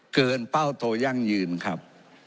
เป้าโตยั่งยืนครับ